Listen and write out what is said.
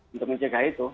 untuk menjaga itu